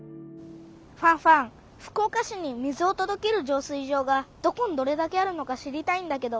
ファンファン福岡市に水をとどける浄水場がどこにどれだけあるのか知りたいんだけど。